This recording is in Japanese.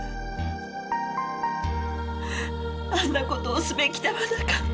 あんな事をすべきではなかった。